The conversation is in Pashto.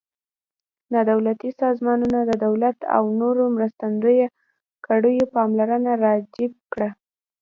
نا دولتي سازمانونو د دولت او نورو مرستندویه کړیو پاملرنه را جلب کړه.